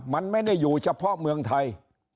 มันไม่ได้อยู่เฉพาะเมืองไทย